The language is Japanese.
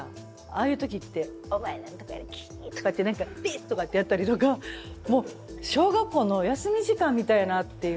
ああいう時ってお前何とかやでキッとかって何かベッとかってやったりとかもう小学校の休み時間みたいなっていう。